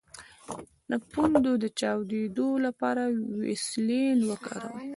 د پوندو د چاودیدو لپاره ویزلین وکاروئ